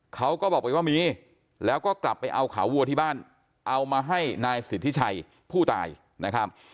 เขาก็บอกไปว่ามีแล้วก็กลับไปเอาขาวัวที่บ้านเอามาให้นายสิทธิชัยผู้ตายนะครับ